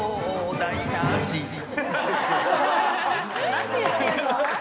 何て言ってんの？